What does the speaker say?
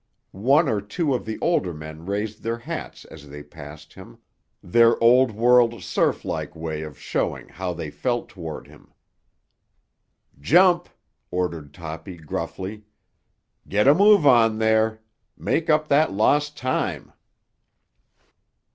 One or two of the older men raised their hats as they passed him, their Old World serf like way of showing how they felt toward him. "Jump!" ordered Toppy gruffly. "Get a move on there; make up that lost time."